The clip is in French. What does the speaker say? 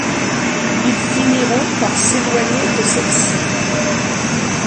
Ils finiront par s’éloigner de celle-ci.